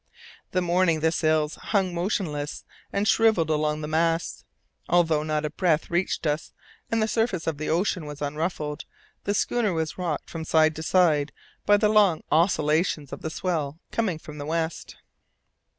In the morning the sails hung motionless and shrivelled along the masts. Although not a breath reached us, and the surface of the ocean was unruffled, the schooner was rocked from side to side by the long oscillations of the swell coming from the west.